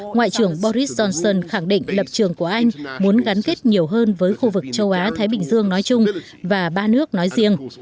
ngoại trưởng boris johnson khẳng định lập trường của anh muốn gắn kết nhiều hơn với khu vực châu á thái bình dương nói chung và ba nước nói riêng